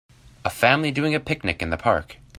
A family doing a picnic in the park.